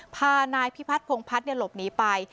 พานายพิพัฒนพงพัฒน์หลบหนีไป